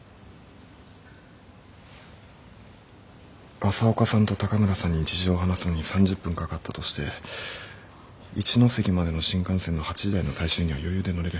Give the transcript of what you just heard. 朝岡さんと高村さんに事情を話すのに３０分かかったとして一関までの新幹線の８時台の最終には余裕で乗れる。